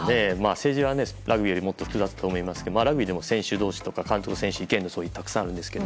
政治はラグビーよりもっと複雑だと思いますけどラグビーでも監督、選手の意見の相違はたくさんあるんですけど。